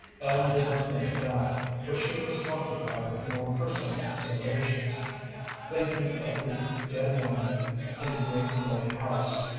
Ellen did not think of that, for she was occupied with more personal considerations, thinking of the dead woman in the great Lloyd house.